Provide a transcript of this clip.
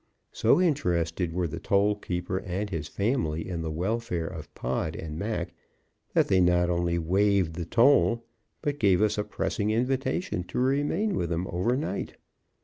So interested were the toll gate keeper and his family in the welfare of Pod and Mac that they not only waived the toll, but gave us a pressing invitation to remain with them over night.